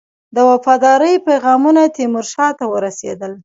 د وفاداری پیغامونه تیمورشاه ته ورسېدل.